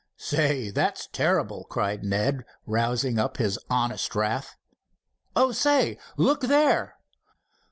"Say that's terrible!" cried Ned, rousing up in his honest wrath. "Oh, say—look there!"